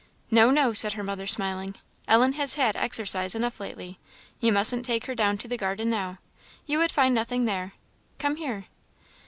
"No, no," said her mother smiling "Ellen has had exercise enough lately; you mustn't take her down to the garden now; you would find nothing there. Come here!"